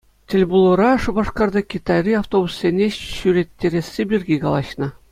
Тӗлпулура Шупашкарта Китайри автобуссене ҫӳреттересси пирки калаҫнӑ.